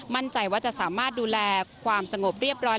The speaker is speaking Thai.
มั่นใจว่าจะสามารถดูแลความสงบเรียบร้อย